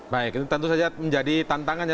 baik tentu saja menjadi tantangan